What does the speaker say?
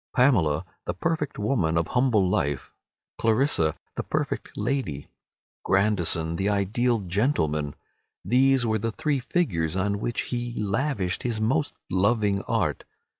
Pamela, the perfect woman of humble life, Clarissa, the perfect lady, Grandison the ideal gentleman—these were the three figures on which he lavished his most loving art.